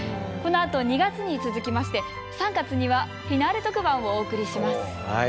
このあと２月に続きまして３月にはフィナーレ特番をお送りします。